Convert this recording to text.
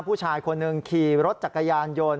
ผู้ชายคนหนึ่งขี่รถจักรยานยนต์